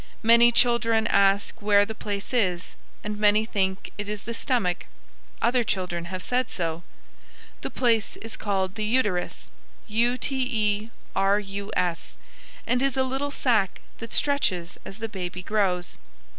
Many children ask where the place is, and many think it is the stomach. Other children have said so. "The place is called the uterus, u t e r u s, and is a little sac that stretches as the baby grows."